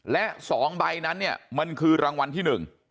และ๒ใบนั้นเนี่ยมันคือรางวัลที่๑